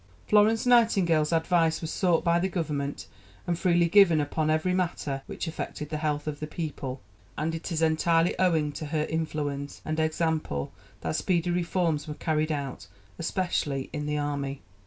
Florence Nightingale's advice was sought by the Government and freely given upon every matter which affected the health of the people, and it is entirely owing to her influence and example that speedy reforms were carried out, especially in the army.